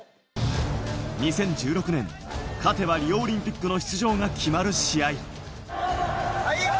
２０１６年、勝てば勝てばリオオリンピックの出場が決まる試合。